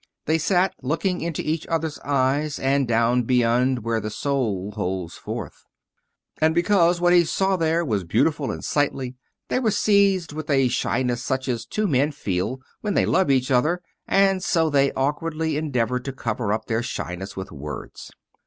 They sat looking into each other's eyes, and down beyond, where the soul holds forth. And because what each saw there was beautiful and sightly they were seized with a shyness such as two men feel when they love each other, and so they awkwardly endeavored to cover up their shyness with words.